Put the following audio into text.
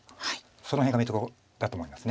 その辺が見どころだと思います。